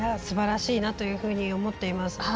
すばらしいなというふうに思っています。